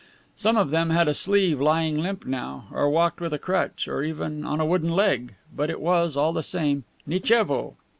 Some of them had a sleeve lying limp now, or walked with a crutch, or even on a wooden leg, but it was, all the same, "Nichevo!"